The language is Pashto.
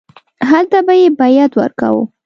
هلته به یې بیعت ورکاوه.